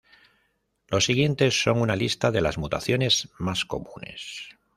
Los siguientes son una lista de las mutaciones más comunes.